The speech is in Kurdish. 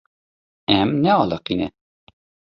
Em nealiqîne.